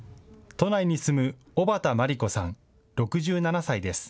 都内に住む小畑真理子さん、６７歳です。